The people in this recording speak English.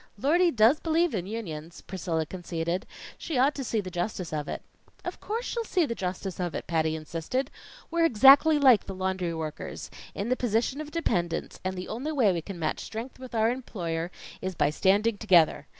"Lordy does believe in Unions," Priscilla conceded. "She ought to see the justice of it." "Of course she'll see the justice of it," Patty insisted. "We're exactly like the laundry workers in the position of dependents, and the only way we can match strength with our employer, is by standing together.